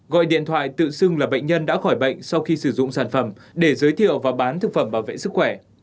gọi điện thoại tự xưng là bệnh nhân đã khỏi bệnh sau khi sử dụng sản phẩm để giới thiệu và bán thực phẩm bảo vệ sức khỏe